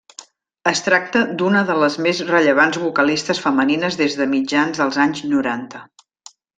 Es tracta d'una de les més rellevants vocalistes femenines des de mitjans dels anys noranta.